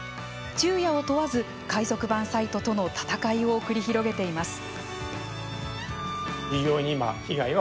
昼夜を問わず海賊版サイトとの闘いを繰り広げています。